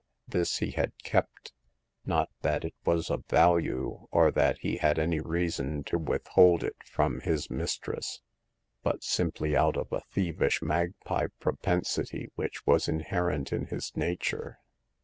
This he had kept, not that it was of value, or that he had any reason to withhold it from his mistress, but simply out of a thievish magpie propensity which was inherent in his nature.